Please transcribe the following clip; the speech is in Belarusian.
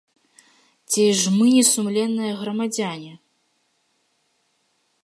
Ці ж мы не сумленныя грамадзяне?